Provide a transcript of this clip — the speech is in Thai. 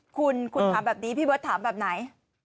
คุณคุณทำแบบนี้พี่วัดถามแบบไหน